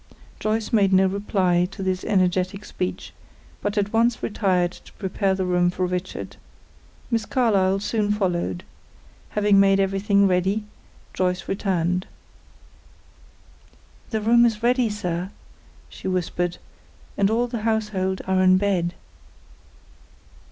Joyce made no reply to this energetic speech, but at once retired to prepare the room for Richard. Miss Carlyle soon followed. Having made everything ready, Joyce returned. "The room is ready, sir," she whispered, "and all the household are in bed."